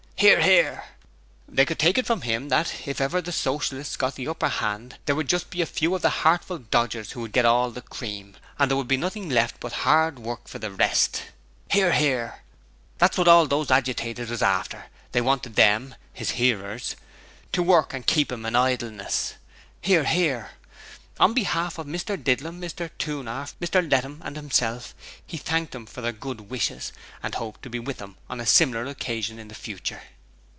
(Hear, hear.) They could take it from him that, if ever the Socialists got the upper hand there would just be a few of the hartful dodgers who would get all the cream, and there would be nothing left but 'ard work for the rest. (Hear. hear.) That's wot hall those hagitators was after: they wanted them (his hearers) to work and keep 'em in idleness. (Hear, hear.) On behalf of Mr Didlum, Mr Toonarf, Mr Lettum and himself, he thanked them for their good wishes, and hoped to be with them on a sim'ler occasion in the future.